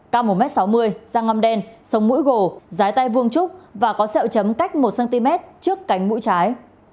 cao một m sáu mươi da ngâm đen sông mũi gồ dài tay vuông trúc và có xẹo chấm cách một cm trước cánh mũi trái